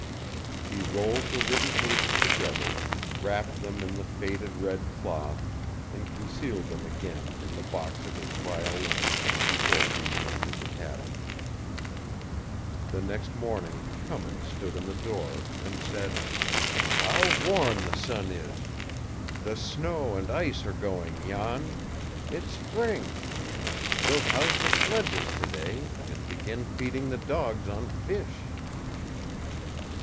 He rolled the written pages together, wrapped them in the faded red cloth, and concealed them again in the box of his violin before he reentered the cabin. The next morning Cummins stood in the door, and said: "How warm the sun is! The snow and ice are going, Jan. It's spring. We'll house the sledges to day, and begin feeding the dogs on fish."